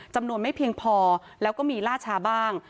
จำนวนไม่เพียงพอแล้วก็มีล่าชาบ้าง